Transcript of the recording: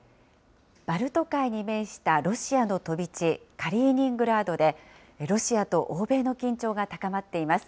バルト海に面したロシアの飛び地、カリーニングラードでロシアと欧米の緊張が高まっています。